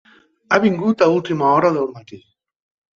Ha vingut a última hora del matí.